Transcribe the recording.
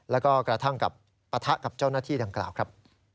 แล้วก็กระทั่งกับปะทะกับเจ้าหน้าที่ดังกล่าวครับ